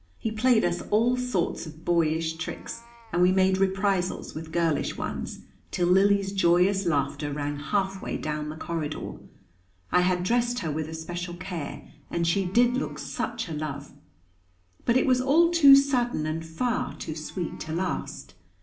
He played us all sorts of boyish tricks, and we made reprisals with girlish ones, till Lily's joyous laughter rang halfway clown the corridor. I had dressed her with especial care, and she did look such a love! But it was all too sudden, and far too sweet to last.